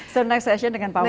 so next session dengan pak wali